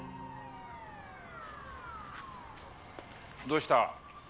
どうした？